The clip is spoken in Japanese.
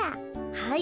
はい。